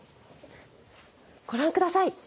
ご覧ください。